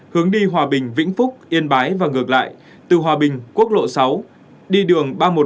hướng đi hòa bình vĩnh phúc yên bái và ngược lại từ hòa bình quốc lộ sáu đi đường ba trăm một mươi một